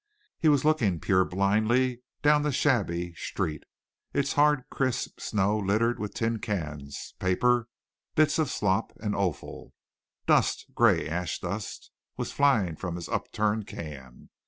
He was looking purblindly down the shabby street, its hard crisp snow littered with tin cans, paper, bits of slop and offal. Dust gray ash dust, was flying from his upturned can.